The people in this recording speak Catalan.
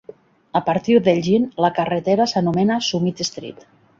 A partir d'Elgin, la carretera s'anomena Summit Street.